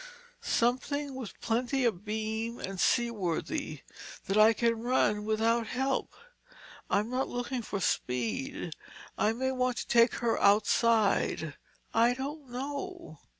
"Something with plenty of beam and seaworthy, that I can run without help. I'm not looking for speed. I may want to take her outside—I don't know."